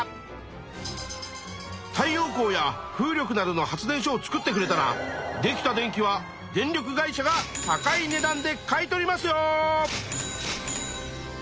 太陽光や風力などの発電所を作ってくれたらできた電気は電力会社が高いねだんで買い取りますよ！